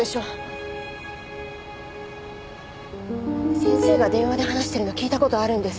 先生が電話で話してるのを聞いた事あるんです。